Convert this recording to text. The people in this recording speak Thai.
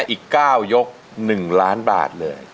อีก๙ยก๑ล้านบาทเลย